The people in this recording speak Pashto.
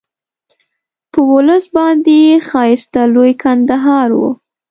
په ولس باندې ښایسته لوی کندهار وو.